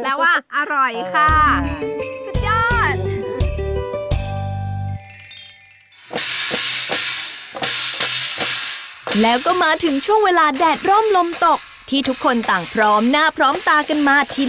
แล้วว่าอร่อยค่ะแล้วก็มาถึงช่วงเวลาแดดร่มลมตกที่ทุกคนต่างพร้อมหน้าพร้อมตากันมาที่